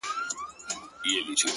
ورباندي وځړوې ـ